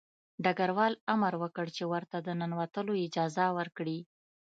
ډګروال امر وکړ چې ورته د ننوتلو اجازه ورکړي